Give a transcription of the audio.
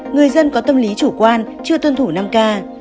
người dân có tâm lý chủ quan chưa tuân thủ năm k